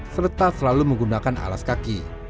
serta selalu menggunakan alas kaki